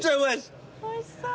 おいしそう。